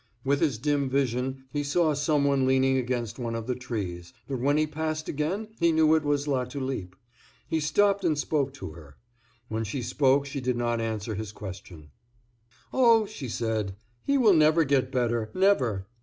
With his dim vision he saw some one leaning against one of the trees, but when he passed again he knew it was Latulipe. He stopped and spoke to her. When she spoke she did not answer his question. "Oh," she said, "he will never get better, never."